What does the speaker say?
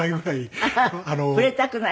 触れたくない？